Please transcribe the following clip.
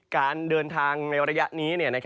การเดินทางในระยะนี้